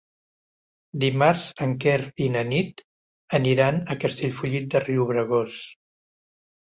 Dimarts en Quer i na Nit aniran a Castellfollit de Riubregós.